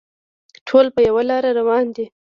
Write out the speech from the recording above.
ټول په یوه لاره روان دي.